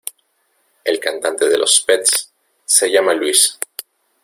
El cantante de los Pets se llama Luís.